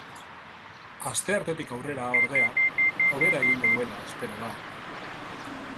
Asteartetik aurrera, ordea, hobera egingo duela espero da.